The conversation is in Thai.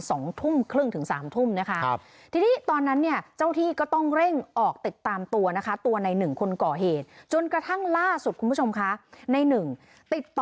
สองทุ่มครึ่งถึงสามทุ่มนะคะครับทีนี้ตอนนั้นเนี่ยเจ้าที่ก็ต้องเร่งออกติดตามตัวนะคะตัวในหนึ่งคนก่อเหตุจนกระทั่งล่าสุดคุณผู้ชมคะในหนึ่งติดต่อ